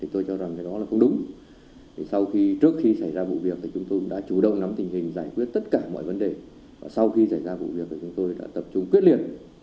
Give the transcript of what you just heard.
tôi cho rằng đó là không đúng trước khi xảy ra vụ việc thì chúng tôi đã chủ động nắm tình hình giải quyết tất cả mọi vấn đề sau khi xảy ra vụ việc thì chúng tôi đã tập trung quyết liệt